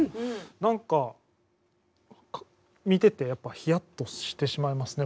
何か見ててやっぱヒヤッとしてしまいますね